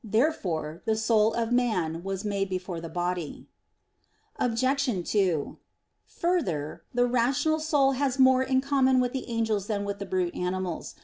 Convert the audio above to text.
Therefore the soul of man was made before the body. Obj. 2: Further, the rational soul has more in common with the angels than with the brute animals.